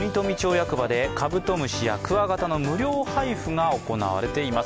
役場でカブトムシやクワガタの無料配布が行われています。